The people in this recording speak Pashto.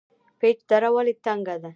پیج دره ولې تنګه ده؟